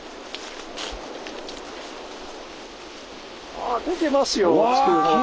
あ出てますよ月。